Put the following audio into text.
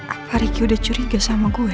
apalagi udah curiga sama gue